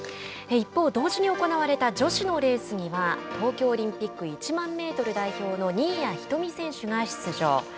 一方、同時に行われた女子のレースには東京オリンピック１００００メートル代表の新谷仁美選手が出場。